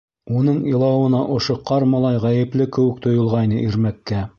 Уның илауына ошо ҡар малай ғәйепле кеүек тойолғайны Ирмәккә.